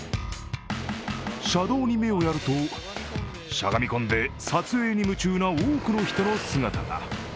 車道に目をやると、しゃがみ込んで撮影に夢中な多くの人の姿が。